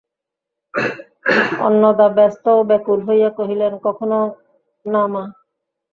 অন্নদা ব্যস্ত ও ব্যাকুল হইয়া কহিলেন, কখনো না মা।